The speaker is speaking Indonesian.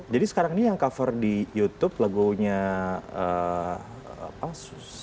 jadi sekarang ini yang cover di youtube lagunya apa sus